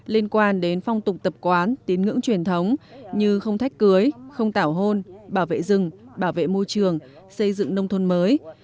liên quan đến phong tục tập quán tín ngưỡng truyền thống như không thách cưới không tảo hôn bảo vệ rừng bảo vệ môi trường xây dựng nông thôn mới